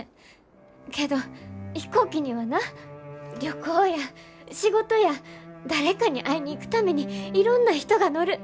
けど飛行機にはな旅行や仕事や誰かに会いに行くためにいろんな人が乗る。